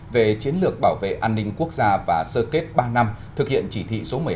về chiến lược bảo vệ an ninh quốc gia và sơ kết ba năm thực hiện chỉ thị số một mươi hai